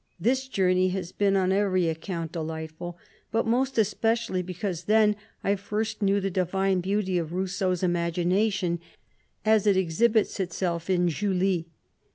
This journey has been *on every account delightful, but most especially, because then I first knew the divine beauty of Rousseau^s imagination, as it exhibits itself in Julie.